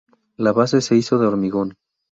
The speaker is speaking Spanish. La base se hizo de hormigón.